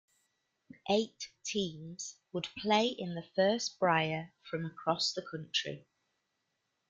Eight teams would play in the first Brier, from across the country.